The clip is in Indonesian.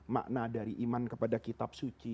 makna dari iman kepada kitab suci